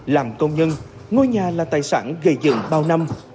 làm công nhân ngôi nhà là tài sản gây dựng bao năm